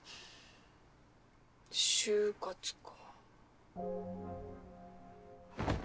就活か。